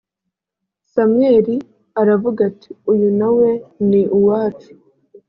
samweli aravuga ati uyu na we ni uwacu